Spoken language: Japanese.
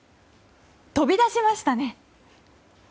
飛び出しましたね。